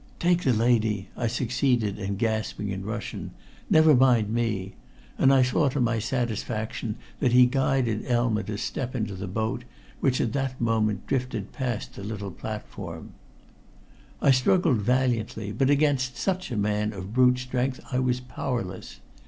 "Take the lady!" I succeeded in gasping in Russian. "Never mind me," and I saw to my satisfaction that he guided Elma to step into the boat, which at that moment drifted past the little platform. I struggled valiantly, but against such a man of brute strength I was powerless.